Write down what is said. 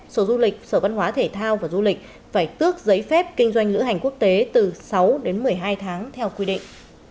sở du lịch sở văn hóa thể thao và du lịch phải tước giấy phép kinh doanh lữ hành quốc tế từ sáu đến một mươi hai tháng theo quy định